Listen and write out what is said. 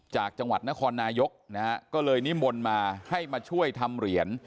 จากจังหวัดนครนายกนะฮะก็เลยนิมนต์มาให้มาช่วยทำเหรียญ